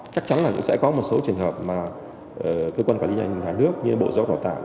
chắc chắn là sẽ có một số trường hợp mà cơ quan quản lý nhà nước như bộ giáo dục đào tạo